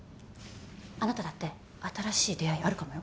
あなただって新しい出会いあるかもよ。